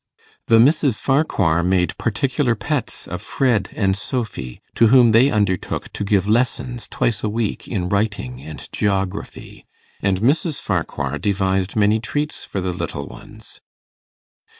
The Misses Farquhar made particular pets of Fred and Sophy, to whom they undertook to give lessons twice a week in writing and geography; and Mrs. Farquhar devised many treats for the little ones.